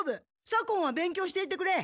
左近は勉強していてくれ。